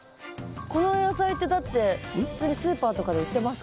この野菜ってだって普通にスーパーとかで売ってますか？